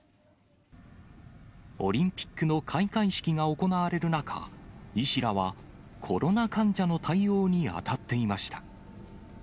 オリンピックの開会式が行われる中、医師らはコロナ患者の対応に当たっていました。